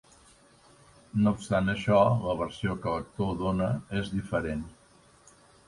No obstant això, la versió que l'actor dóna és diferent.